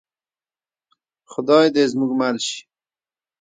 خدای دې زموږ مل شي